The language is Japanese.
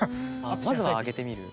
まずは上げてみる。